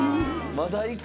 まだいく？